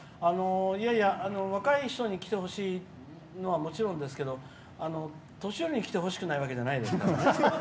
若い人に来てほしいのはもちろんですけど年寄りに来てほしくないわけじゃないですから。